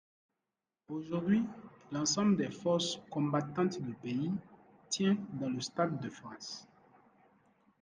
Aujourd’hui, l’ensemble des forces combattantes du pays tient dans le stade de France.